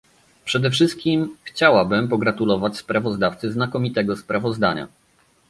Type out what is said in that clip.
Przede wszystkim chciałabym pogratulować sprawozdawcy znakomitego sprawozdania